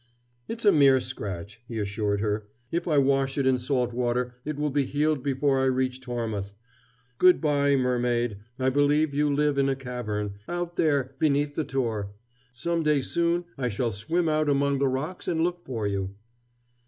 "It is a mere scratch," he assured her. "If I wash it in salt water it will be healed before I reach Tormouth. Good by mermaid. I believe you live in a cavern out there beneath the Tor. Some day soon I shall swim out among the rocks and look for you."